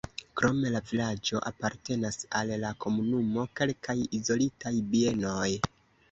Krom la vilaĝo apartenas al la komunumo kelkaj izolitaj bienoj.